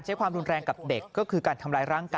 เหรอค่ะติดต่อมาขอคุยขอเจรจารย์แล้วขอโทษค่ะ